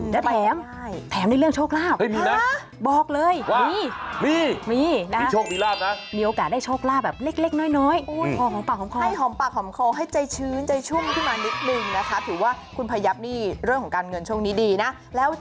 แต่แถมแถมในเรื่องโชคลาบบอกเลยมีนะ